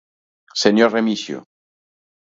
¡Señor Remixio!